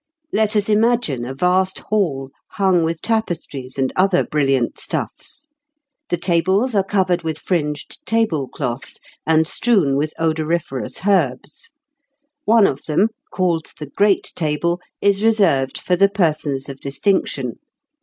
Let us imagine a vast hall hung with tapestries and other brilliant stuffs. The tables are covered with fringed table cloths, and strewn with odoriferous herbs; one of them, called the Great Table, is reserved for the persons of distinction.